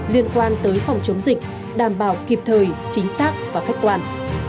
liên quan tới phòng chống dịch đảm bảo kịp thời chính xác và khách quan